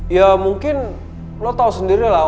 ya mungkin lo tahu sendiri lah